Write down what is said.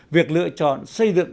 việc lựa chọn xây dựng